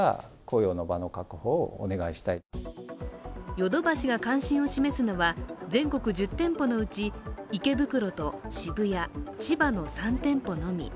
ヨドバシが関心を示すのは全国１０店舗のうち池袋と渋谷、千葉の３店舗のみ。